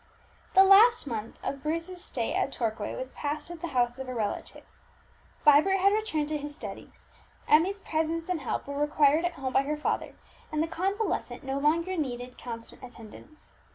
The last month of Bruce's stay at Torquay was passed at the house of a relative; Vibert had returned to his studies, Emmie's presence and help were required at home by her father, and the convalescent no longer needed constant attendance.